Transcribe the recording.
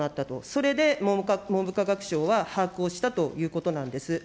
それで文部科学省は把握をしたということなんです。